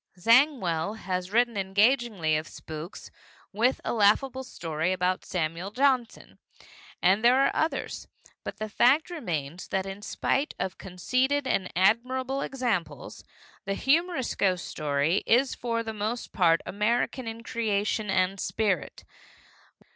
Zangwill has written engagingly of spooks, with a laughable story about Samuel Johnson. And there are others. But the fact remains that in spite of conceded and admirable examples, the humorous ghost story is for the most part American in creation and spirit.